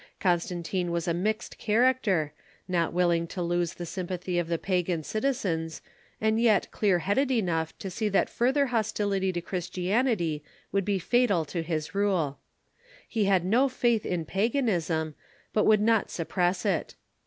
Constantine was a mixed character, not willing to lose the sympathy of the pagan citizens, and yet clear headed enough to see that further hostility to Christianity would be fatal to his rule. He had no faith in paganism, but would not suppress it.